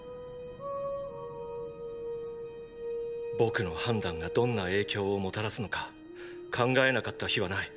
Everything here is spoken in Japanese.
僕の判断がどんな影響をもたらすのか考えなかった日はない。